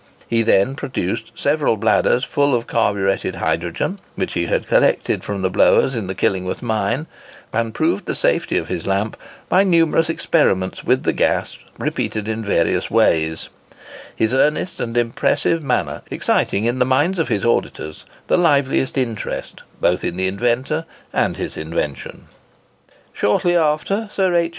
He then produced several bladders full of carburetted hydrogen, which he had collected from the blowers in the Killingworth mine, and proved the safety of his lamp by numerous experiments with the gas, repeated in various ways; his earnest and impressive manner exciting in the minds of his auditors the liveliest interest both in the inventor and his invention. Shortly after, Sir H.